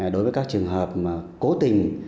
đối với các trường hợp cố tình